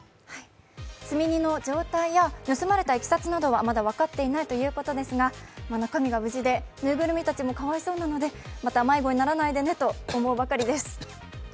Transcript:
積み荷の状態や盗まれたいきさつなどはまだ分かっていないということですが、中身が無事で、ぬいぐるみたちもかわいそうなので、また迷子にならないでねと思うばかりです。